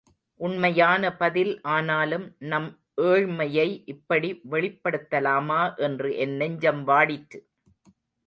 உண்மையான பதில், ஆனாலும் நம் ஏழ்மையை இப்படி வெளிப்படுத்தலாமா என்று என் நெஞ்சம் வாடிற்று.